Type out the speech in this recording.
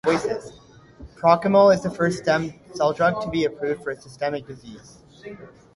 Prochymal is the first stem cell drug to be approved for a systemic disease.